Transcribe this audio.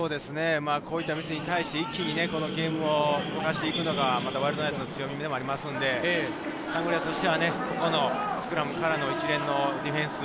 こういったミスに対して一気にゲームをこなしていくのがワイルドナイツの強みでもありますので、サンゴリアスとしてはスクラムからの一連のディフェンス。